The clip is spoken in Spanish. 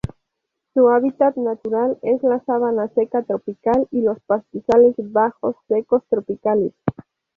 Su hábitat natural es la sabana seca tropical y los pastizales bajos secos tropicales.